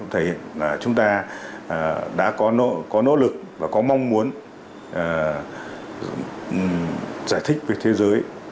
thể hiện là chúng ta đã có nỗ lực và có mong muốn giải thích về thế giới